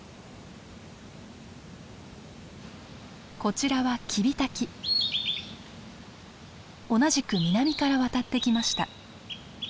こちらは同じく南から渡ってきました。